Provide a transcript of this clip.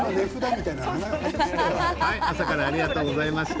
朝からありがとうございました。